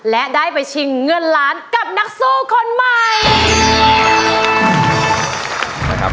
และได้ไปชิงเงินล้านกับนักสู้คนใหม่